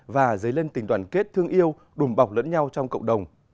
và giấy lên tình toàn kết thương yêu đùm bọc lẫn nhau trong cộng đồng